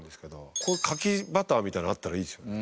こういう柿バターみたいなのあったらいいですよね。